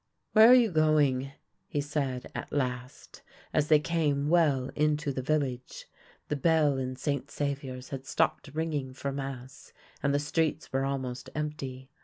"Where are you going?" he said at last, as they came well into the village. The bell in St. Saviour's had stopped ringing for mass, and the streets were almost empty.